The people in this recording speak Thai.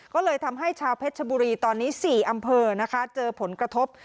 ก็เลยทำให้ชาวเพชรชบุรีตอนนี้๔อำเภอนะคะเจอผลกระทบ